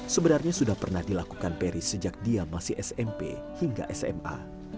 sebenarnya sudah pernah dilakukan peri sejak dia masih smp hingga sma